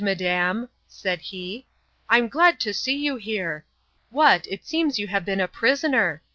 madam, said he, I'm glad to see you here. What, it seems you have been a prisoner!